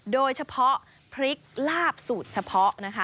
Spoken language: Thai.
โดยเฉพาะพริกลาบสูตรเฉพาะนะคะ